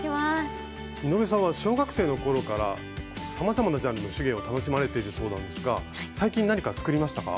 井上さんは小学生の頃からさまざまなジャンルの手芸を楽しまれているそうなんですが最近何か作りましたか？